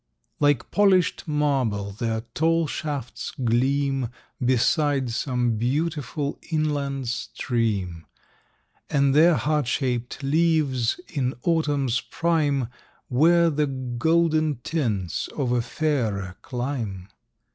Like polished marble their tall shafts gleam Beside some beautiful inland stream, And their heart shaped leaves in autumn's prime Wear the golden tints of a fairer clime.